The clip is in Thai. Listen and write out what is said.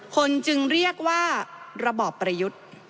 จึงเรียกว่าระบอบประยุทธ์